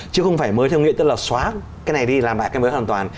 chứ không phải mới theo nghĩa tức là xóa cái này đi làm lại cái mới hoàn toàn